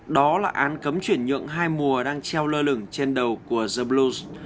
đó là án cấm chuyển nhượng hai mùa đang treo lơ lửng trên đầu của zeblues